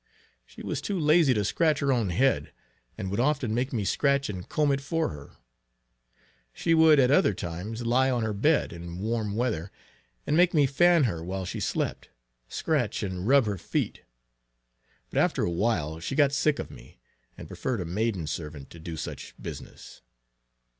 She was too lazy to scratch her own head, and would often make me scratch and comb it for her. She would at other times lie on her bed, in warm weather, and make me fan her while she slept, scratch and rub her feet; but after awhile she got sick of me, and preferred a maiden servant to do such business.